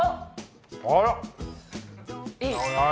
あら。